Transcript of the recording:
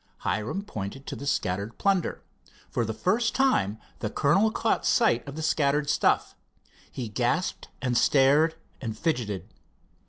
Hiram pointed to the scattered plunder. For the first time the colonel caught sight of the scattered stuff. He gasped, and stared, and fidgeted.